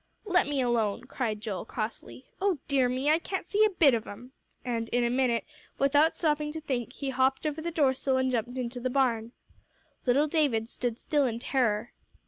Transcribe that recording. "Let me alone," cried Joel, crossly. "O dear me! I can't see a bit of 'em." And in a minute, without stopping to think, he hopped over the door sill and jumped into the barn. Little David stood still in terror.